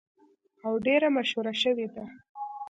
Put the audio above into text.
او ډیره مشهوره شوې ده.